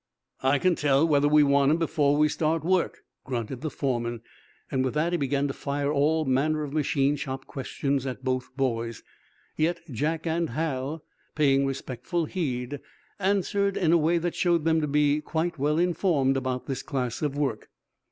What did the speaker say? "I can tell whether we want 'em before we start work," grunted the foreman. With that he began to fire all manner of machine shop questions at both boys. Yet Jack and Hal, paying respectful heed, answered in a way that showed them to be quite well informed about this class of work.